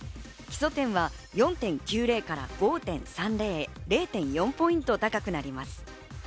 基礎点は４．９０から５．３０へ０．４ポイント高くなります。